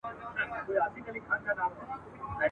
پر بنده باندي هغه ګړی قیامت وي ..